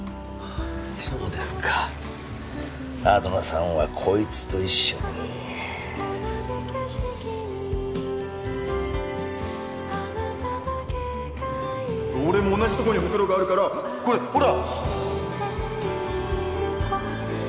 そうですか東さんはこいつと一緒に俺も同じとこにホクロがあるからこれほら！